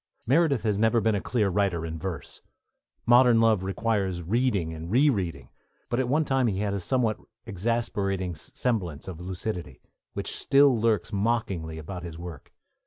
Meredith has never been a clear writer in verse; Modern Love requires reading and re reading; but at one time he had a somewhat exasperating semblance of lucidity, which still lurks mockingly about his work.